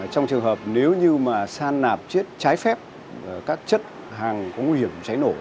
trong trường hợp nếu như mà san nạp chết trái phép các chất hàng nguy hiểm cháy nổ